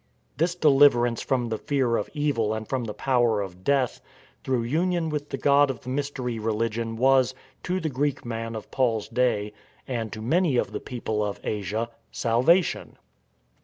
This deliverance from the fear of evil and from the power of death through union with the god of the mystery religion was, to the Greek man of Paul's day, and to many of the people of Asia, " salvation."